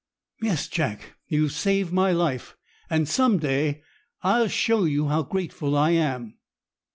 "Yes, Jack, you've saved my life, and some day I'll show you how grateful I am."